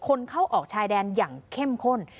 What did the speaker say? คนเข้าออกชายแดนอย่างเข้มข้น